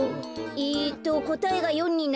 えっとこたえが４になるには。